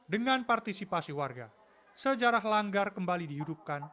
dengan partisipasi warga sejarah langgar kembali dihidupkan